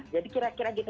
jadi kira kira gitu